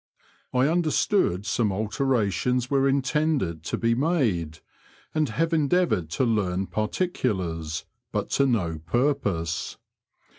I under stood some alterations were intended to be made, and have endeavoured to learn particulars, but to no purpose.